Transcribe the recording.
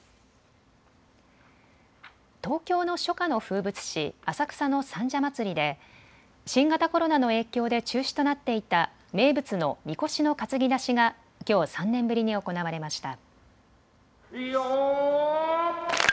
東京の初夏の風物詩、浅草の三社祭で新型コロナの影響で中止となっていた名物のみこしの担ぎ出しがきょう３年ぶりに行われました。